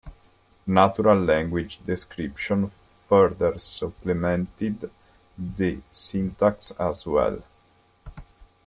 Natural-language description further supplemented the syntax as well.